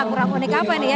kurang unik apa ini ya